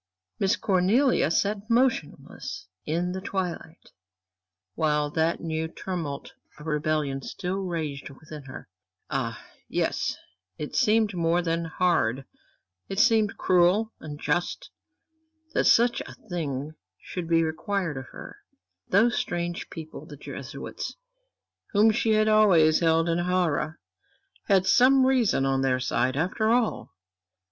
Miss Cornelia sat motionless in the twilight, while that new tumult of rebellion still raged within her. Ah, yes, it seemed more than hard it seemed cruel, unjust, that such a thing should be required of her. Those strange people, the Jesuits, whom she had always held in horror, had some reason on their side after all.